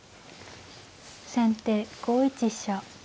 先手５一飛車。